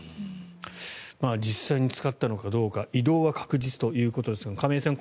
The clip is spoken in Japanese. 実際に使ったのかどうか移動は確実ということですが亀井さん